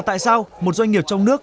và tại sao một doanh nghiệp trong nước